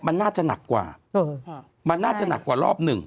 มันน่าจะหนักกว่ามันน่าจะหนักกว่ารอบหนึ่ง